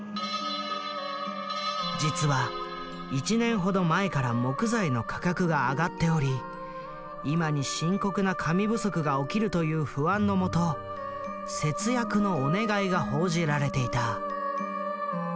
実は１年ほど前から木材の価格が上がっており今に深刻な紙不足が起きるという不安のもと節約のお願いが報じられていた。